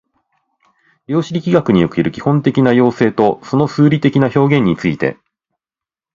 量子力学における基本的な要請とその数理的な表現について